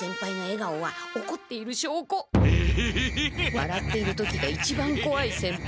わらっている時が一番こわい先輩。